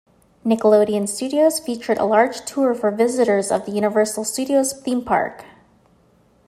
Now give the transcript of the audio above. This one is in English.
Nickelodeon Studios featured a large tour for visitors of the Universal Studios theme park.